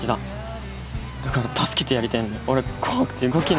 だから助けてやりたいのに俺怖くて動けねえよ。